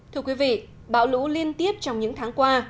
thưa quý vị bão lũ liên tiếp trong những tháng qua